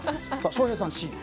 翔平さん、Ｃ。